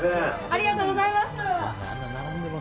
ありがとうございます。